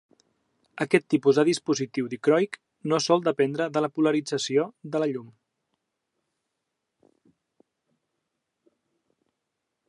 Aquest tipus de dispositiu dicroic no sol dependre de la polarització de la llum.